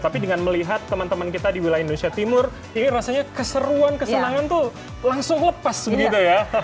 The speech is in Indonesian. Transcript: tapi dengan melihat teman teman kita di wilayah indonesia timur ini rasanya keseruan kesenangan tuh langsung lepas begitu ya